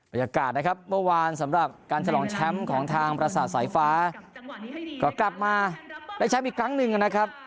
บรรยากาศนะครับเมื่อวานสำหรับการฉลองแชมป์ของทางประสาทสายฟ้าก็กลับมาได้แชมป์อีกครั้งหนึ่งนะครับ